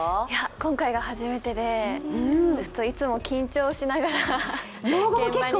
今回が初めてで、いつも緊張しながら現場に。